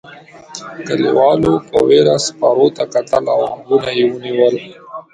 کليوالو په وېره سپرو ته کتل او غوږونه یې ونیول.